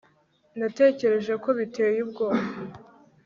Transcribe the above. natekereje ko biteye ubwoba